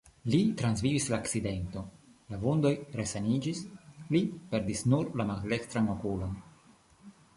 Li transvivis la akcidenton, la vundoj resaniĝis, li perdis nur la maldekstran okulon.